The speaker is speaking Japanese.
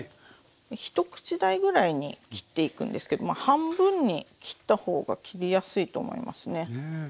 一口大ぐらいに切っていくんですけどまあ半分に切った方が切りやすいと思いますね。